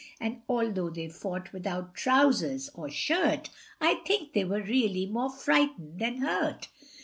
And although they fought without trousers or shirt, I think they were really more frightened than hurt.